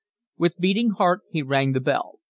With beating heart he rang the bell.